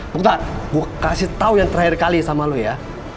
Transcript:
bukta gue kasih tau yang terakhir kali sama lo ya